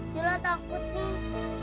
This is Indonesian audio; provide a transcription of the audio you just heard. jangan takut nih